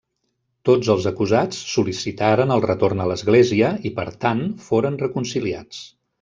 Tots els acusats sol·licitaren el retorn a l'església i, per tant, foren reconciliats.